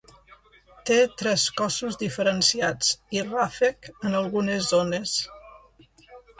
Té tres cossos diferenciats i ràfec en algunes zones.